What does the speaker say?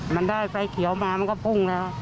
มันได้ไปเขียวพุงแล้ว